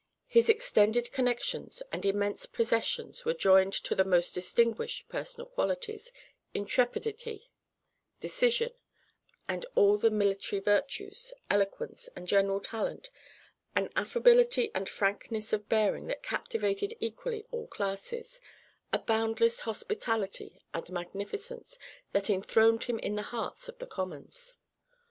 His extended connections and immense possessions were joined to the most distinguished personal qualities, intrepidity, decision, and all the military virtues, eloquence and general talent, an affability and frankness of bearing that captivated equally all classes, a boundless hospitality and magnificence that enthroned him in the hearts of the commons.